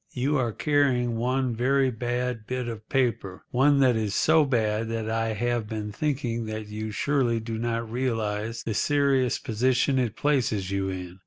You are carrying one very bad bit of paper—one that is so bad that I have been thinking that you surely do not realise the serious position it places you in.